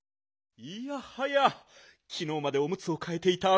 いやはやきのうまでオムツをかえていた